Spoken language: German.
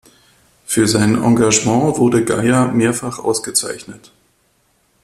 Für sein Engagement wurde Geyer mehrfach ausgezeichnet.